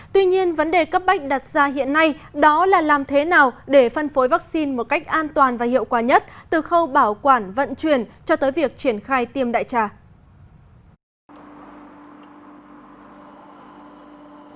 tuy nhiên vấn đề cấp bách đặt ra hiện nay đó là làm thế nào để phân phối vaccine một cách an toàn và hiệu quả nhất từ khâu bảo quản vận chuyển cho tới việc triển khai tiêm đại trà